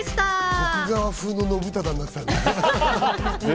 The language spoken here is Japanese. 徳川風の信忠になってたんだ。